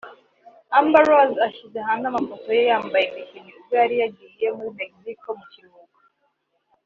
Amber Rose ashyize hanze amafoto ye yambaye bikini ubwo yari yagiye muri Mexico mu kiruhuko